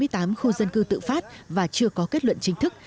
tất cả một trăm bốn mươi tám khu dân cư tự phát và chưa có kết luận chính thức